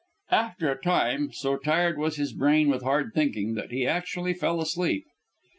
After a time, so tired was his brain with hard thinking, that he actually fell asleep.